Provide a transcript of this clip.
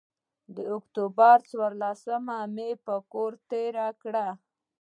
د اکتوبر څورلسمه مې پر کور تېره کړه.